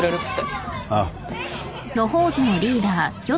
ああ。